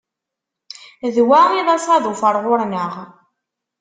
D wa i d asaḍuf ar ɣur-neɣ.